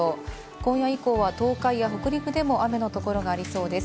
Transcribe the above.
今夜以降は東海や北陸でも雨の所がありそうです。